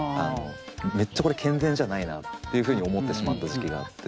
めっちゃこれ健全じゃないなっていうふうに思ってしまった時期があって。